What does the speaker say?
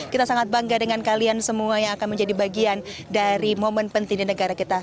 kita sangat bangga dengan kalian semua yang akan menjadi bagian dari momen penting di negara kita